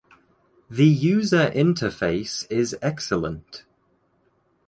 The user interface is excellent.